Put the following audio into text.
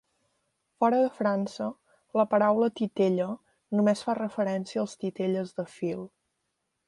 Fora de França, la paraula "titella" només fa referència als titelles de fil.